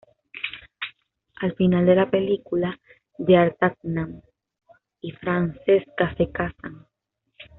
Al final de la película, D'Artagnan y Francesca se casan.